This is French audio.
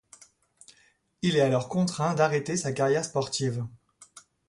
Il est alors contraint d'arrêter sa carrière sportive.